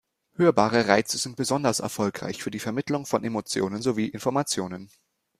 Hörbare Reize sind besonders erfolgreich für die Vermittlung von Emotionen sowie Informationen.